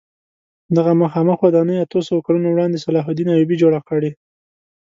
دغه مخامخ ودانۍ اتو سوو کلونو وړاندې صلاح الدین ایوبي جوړه کړې.